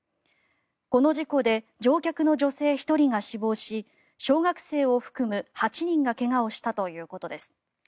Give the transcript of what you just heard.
この事故で乗客の女性１人が死亡し小学生を含む８人が怪我をしたということです。